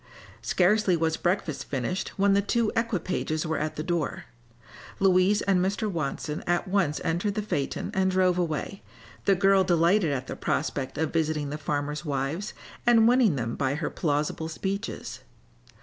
Scarcely was breakfast finished when the two equipages were at the door. Louise and Mr. Watson at once entered the phaeton and drove away, the girl delighted at the prospect of visiting the farmers' wives and winning them by her plausible speeches.